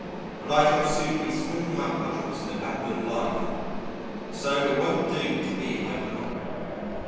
But I shall soon be swinging my cudgels in the battle of life, so it won't do to be hypochondriacal....